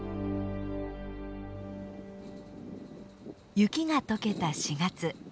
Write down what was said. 雪が解けた４月。